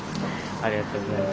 ありがとうございます。